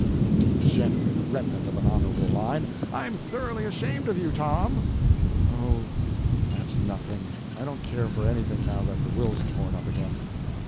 You degenerate remnant of an honorable line! I'm thoroughly ashamed of you, Tom!" "Oh, that's nothing! I don't care for anything, now that the will's torn up again."